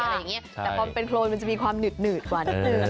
แต่พอเป็นโคลนจะมีความหนืดกว่านั้น